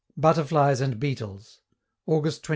BUTTERFLIES AND BEETLES August 23d.